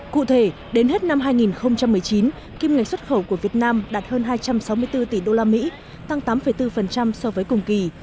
cụ thể đến hết năm hai nghìn một mươi chín kim ngạch xuất khẩu của việt nam đạt hơn hai trăm sáu mươi bốn tỷ usd tăng tám bốn so với cùng kỳ